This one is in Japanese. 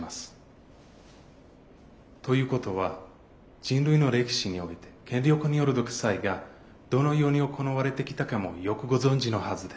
ということは人類の歴史において権力による独裁がどのように行われてきたかもよくご存じのはずです。